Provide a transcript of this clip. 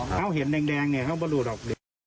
เขาเห็นแดงเขาก็รูดออก